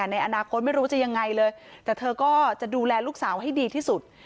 ในอนาคตไม่รู้จะยังไงเลยแต่เธอก็จะดูแลลูกสาวให้ดีที่สุด